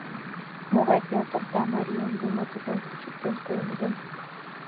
Могай пелторта марийым Юмо тудлан кучыктен пуэн гын?